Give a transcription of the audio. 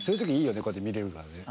こうやって見れるからね。